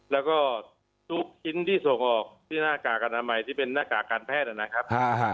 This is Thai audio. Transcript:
แล้วก็ทุกชิ้นที่ส่งออกที่หน้ากากอนามัยที่เป็นหน้ากากการแพทย์นะครับ